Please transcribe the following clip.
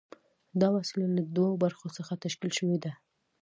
دا وسیله له دوو برخو څخه تشکیل شوې ده.